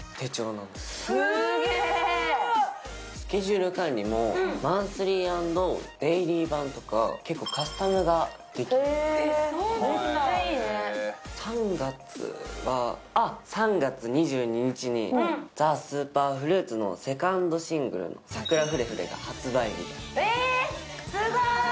なんですすげスケジュール管理もマンスリー＆デイリー版とか結構カスタムができてへえメッチャいいねあっ３月２２日にＴＨＥＳＵＰＥＲＦＲＵＩＴのセカンドシングル「サクラフレフレ」が発売日えすごい！